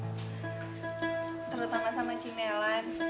terutama sama cine lan